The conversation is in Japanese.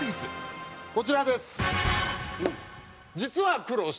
こちらです。